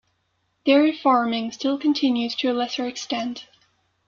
Dairy farming still continues to a lesser extent.